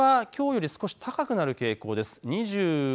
日中はきょうより少し高くなる傾向です。